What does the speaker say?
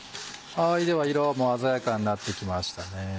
では色も鮮やかになってきましたね。